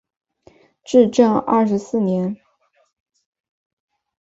至正二十四年。